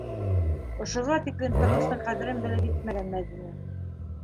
Ошоға тиклем тормоштоң ҡәҙерен белеп етмәгән Мәҙинә.